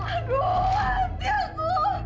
aduh hati aku